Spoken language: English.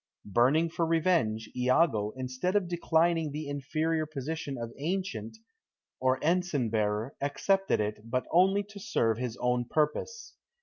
Burning for revenge, Iago, instead of declining the inferior position of "ancient," or ensign bearer, accepted it, but only to serve his own purpose.